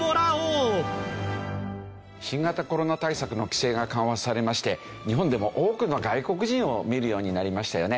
新型コロナ対策の規制が緩和されまして日本でも多くの外国人を見るようになりましたよね。